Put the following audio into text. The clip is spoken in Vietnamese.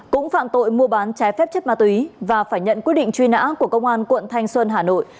cũng phạm tội mua bán trái phép chất ma túy và phải nhận quyết định truy nã của công an quận thanh xuân hà nội